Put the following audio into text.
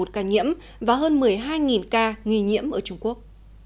bảy bảy trăm một mươi một ca nhiễm và hơn một mươi hai ca nghi nhiễm ở trung quốc